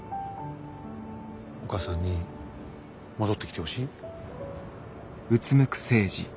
お母さんに戻ってきてほしい？